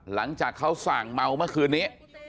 หลังจากเขาสั่งเมาเมื่อคืนนี้